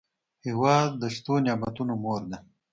هېواد د شتو نعمتونو مور ده.